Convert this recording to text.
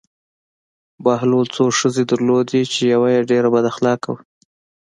بهلول څو ښځې درلودې چې یوه یې ډېره بد اخلاقه وه.